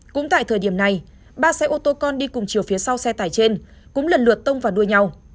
cũng tại thời điểm này ba xe ô tô con đi cùng chiều phía sau xe tải trên cũng lần lượt tông vào đuôi nhau